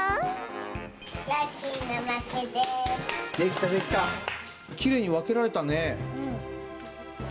きれいにわけられたね。